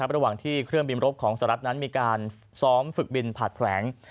ระหว่างที่เครื่องบินรบของสหรัฐนั้นมีการซ้อมฝึกบินผัดแผลง